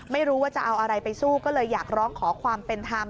ไม่รู้ว่าจะเอาอะไรไปสู้ก็เลยอยากร้องขอความเป็นธรรม